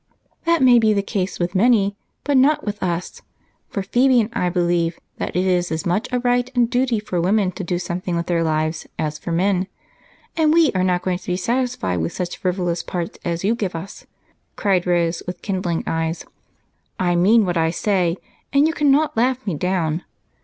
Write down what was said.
"That may be the case with many, but not with us, for Phebe and I believe that it is as much a right and a duty for women to do something with their lives as for men, and we are not going to be satisfied with such frivolous parts as you give us," cried Rose with kindling eyes. "I mean what I say, and you cannot laugh me down.